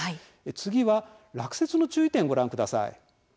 次は落雪の注意点、ご覧ください。